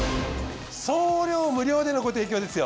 送料無料でのご提供ですよ。